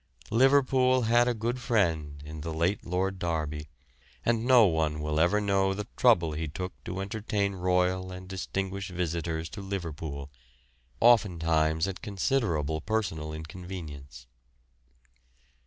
Liverpool had a good friend in the late Lord Derby, and no one will ever know the trouble he took to entertain royal and distinguished visitors to Liverpool, oftentimes at considerable personal inconvenience.